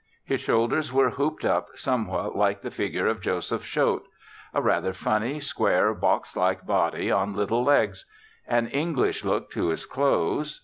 His shoulders were hooped up somewhat like the figure of Joseph Choate. A rather funny, square, box like body on little legs. An English look to his clothes.